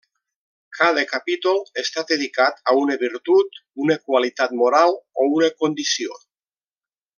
Cada capítol està dedicat a una virtut, una qualitat moral o una condició.